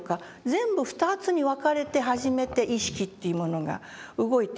全部２つに分かれて初めて意識というものが動いてるんだって。